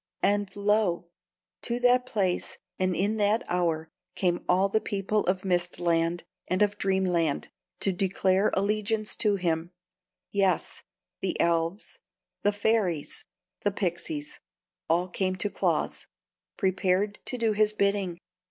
And lo! to that place and in that hour came all the people of Mist Land and of Dream Land to declare allegiance to him: yes, the elves, the fairies, the pixies, all came to Claus, prepared to do his bidding.